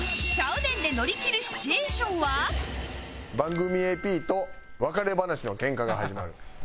「ちゃうねん」で番組 ＡＰ と別れ話のケンカが始まる。